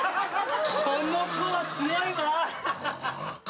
この子は強いわ。